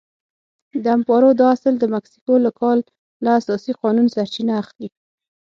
د امپارو دا اصل د مکسیکو له کال له اساسي قانون سرچینه اخلي.